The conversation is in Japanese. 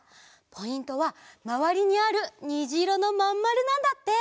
ポイントはまわりにあるにじいろのまんまるなんだって！